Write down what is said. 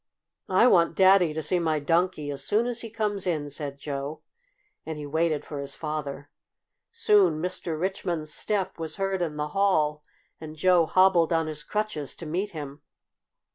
"I want Daddy to see my Donkey as soon as he comes in," said Joe, and he waited for his father. Soon Mr. Richmond's step was heard in the hall, and Joe hobbled on his crutches to meet him.